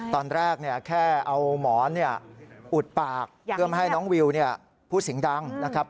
ตอนแรกแค่เอาหมอนอุดปากเพื่อไม่ให้น้องวิวพูดเสียงดังนะครับ